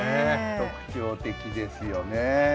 特徴的ですよね。